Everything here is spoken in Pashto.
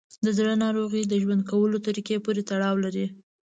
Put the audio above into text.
د زړه ناروغۍ د ژوند کولو طریقه پورې تړاو لري.